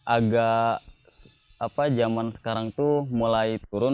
agak apa zaman sekarang itu mulai turun